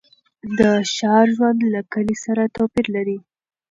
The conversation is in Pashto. د ښار ژوند له کلي سره توپیر لري.